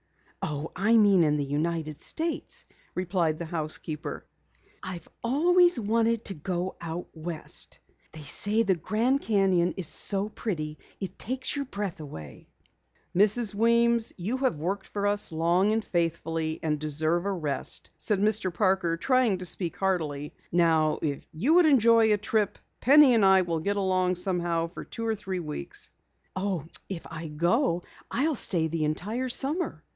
"Oh, I mean in the United States," replied the housekeeper. "I've always wanted to go out West. They say the Grand Canyon is so pretty it takes your breath away." "Mrs. Weems, you have worked for us long and faithfully and deserve a rest," said Mr. Parker, trying to speak heartily. "Now if you would enjoy a trip, Penny and I will get along somehow for two or three weeks." "Oh, if I go, I'll stay the entire summer."